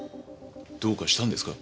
どうかしたんですか？